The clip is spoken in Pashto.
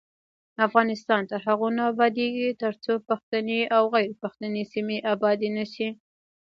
افغانستان تر هغو نه ابادیږي، ترڅو پښتني او غیر پښتني سیمې ابادې نشي.